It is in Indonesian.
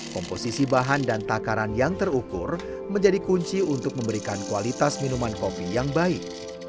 komposisi bahan dan takaran yang terukur menjadi kunci untuk memberikan kualitas minuman kopi yang baik